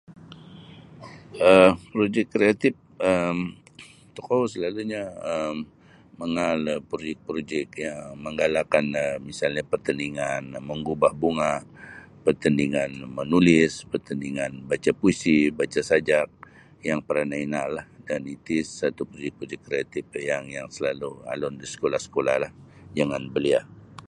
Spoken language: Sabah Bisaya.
um projik kreatif um tokou selalu'nyo um mangaal da projik-projik yang manggalakkan da misalnyo pertandingn menggubah bunga' pertandingan menulis pertandingan baca puisi baca sajak yang parnah inaallah dan iti satu' projik projik kreatif yang yang selalu' alun da sekolah-sekolahlah jangan belia'.